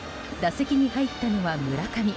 席に入ったのは村上。